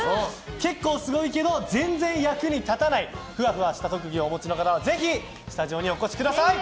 結構すごいけど全然役に立たないふわふわした特技をお持ちの方はぜひスタジオにお越しください。